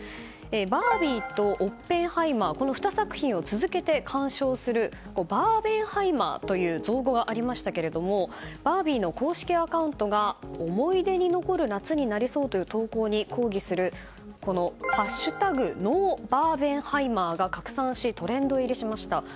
「バービー」と「オッペンハイマー」の２作品を続けて鑑賞するバーベンハイマーという造語がありましたけれども「バービー」の公式アカウントが思い出に残る夏になりそうという投稿に抗議する「＃ＮｏＢａｒｂｅｎｈｅｉｍｅｒ」が拡散し、トレンド入りしました。